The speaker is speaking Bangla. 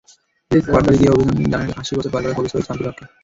করতালি দিয়ে অভিনন্দন জানালেন আশি বছর পার করা কবি সৈয়দ শামসুল হককে।